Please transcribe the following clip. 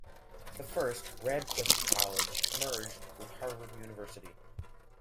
The first, Radcliffe College, merged with Harvard University.